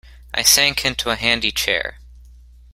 I sank into a handy chair.